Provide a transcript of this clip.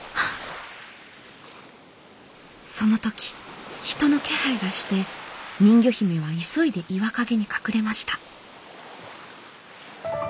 その時人の気配がして人魚姫は急いで岩陰に隠れました。